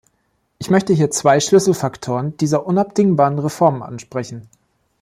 Ich möchte hier zwei Schlüsselfaktoren dieser unabdingbaren Reformen ansprechen.